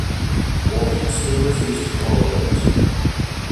Walding still refused to call a vote.